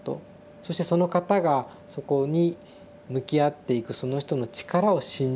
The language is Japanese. そしてその方がそこに向き合っていくその人の力を信じるということ。